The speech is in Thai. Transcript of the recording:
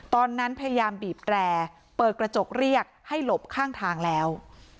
พยายามบีบแตรเปิดกระจกเรียกให้หลบข้างทางแล้ว